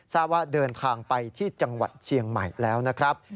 ทราบว่าเดินทางไปที่จังหวัดเชียงใหม่แล้วนะครับ